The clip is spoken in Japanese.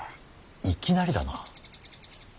いきなりだな。